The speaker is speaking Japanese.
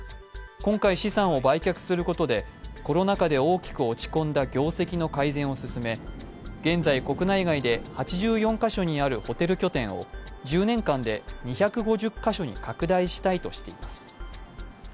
今回、資産を売却することでコロナ禍で大きく落ち込んだ業績の改善を進め現在、国内外で８４カ所にあるホテル拠点を１０年間で２５０カ所に拡大したいとしています。